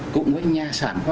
cũng với nhà sản khoa